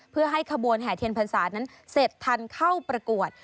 เพื่อให้ขบวนแห่เทียนพรรษานั้นเสร็จทันเข้าประกวด